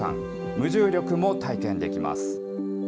無重力も体験できます。